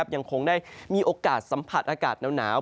ยังคงได้มีโอกาสสัมผัสอากาศหนาว